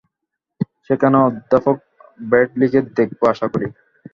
সেখানে অধ্যাপক ব্রাডলিকে দেখব, আশা করি।